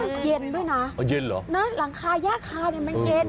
แล้วมันเย็นด้วยน่ะเย็นเหรอน่ะหลังคายากคาเนี่ยมันเย็น